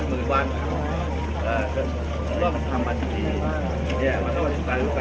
เมืองอัศวินธรรมดาคือสถานที่สุดท้ายของเมืองอัศวินธรรมดา